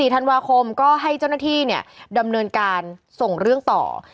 ธันวาคมก็ให้เจ้าหน้าที่ดำเนินการส่งเรื่องต่อ